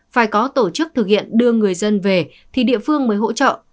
phải có tổ chức thực hiện đưa người dân về thì địa phương mới hỗ trợ